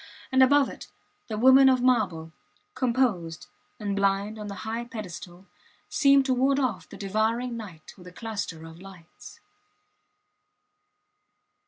And, above it, the woman of marble, composed and blind on the high pedestal, seemed to ward off the devouring night with a cluster of lights.